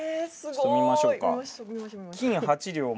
ちょっと見ましょうか。